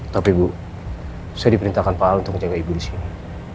tapi ibu saya diperintahkan pak al untuk menjaga ibu di sini